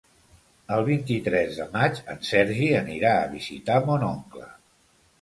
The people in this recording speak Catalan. El vint-i-tres de maig en Sergi anirà a visitar mon oncle.